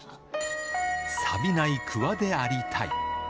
さびないくわでありたい。